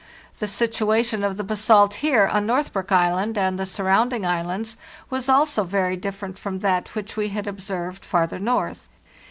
The situation of the basalt here on Northbrook Island and the surrounding islands was BASALTIC ROCK also very different from that which we had observed far ther north.